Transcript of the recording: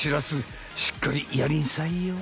しっかりやりんさいよ！